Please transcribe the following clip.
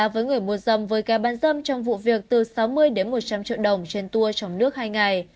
với người mua dâm với ca bán dâm trong vụ việc từ sáu mươi đến một trăm linh triệu đồng trên tour trong nước hai ngày